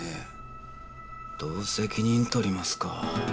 どう責任取りますか？